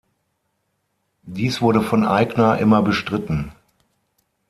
Dies wurde von Aigner immer bestritten.